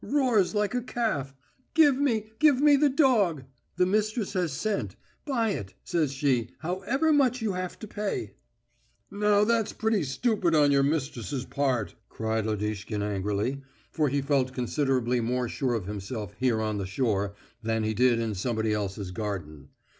Roars like a calf: 'Give me, give me the dog....' The mistress has sent. 'Buy it,' says she, 'however much you have to pay.'" "Now that's pretty stupid on your mistress's part," cried Lodishkin angrily, for he felt considerably more sure of himself here on the shore than he did in somebody else's garden.